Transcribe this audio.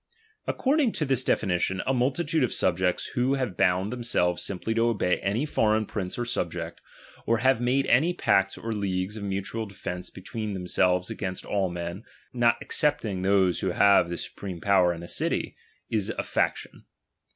According to tliis definition, a multitude of subjects who have bound themselves simply to obey any foreign prince or subject, or have made any pacts or leagues of mutual defence between themselves against all men, not excepting those who have the supreme power in the city, is a faction.